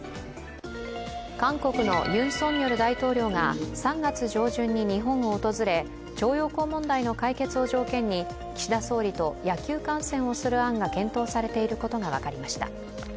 韓国のユン・ソンニョル大統領が３月上旬に日本を訪れ徴用工問題の解決を条件に岸田総理と野球観戦をする案が検討されていることが分かりました。